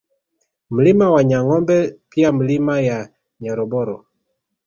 Mlima wa Nyangombe pia Milima ya Nyaroboro